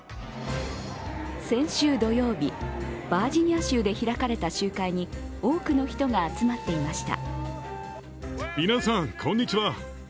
先週土曜日、バージニア州で開かれた集会に多くの人が集まっていました。